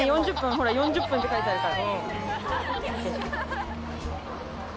ほら４０分って書いてあるから。